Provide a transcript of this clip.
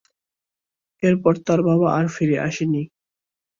এরপর, তার বাবা আর ফিরে আসেন নি।